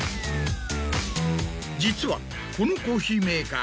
実はこのコーヒーメーカー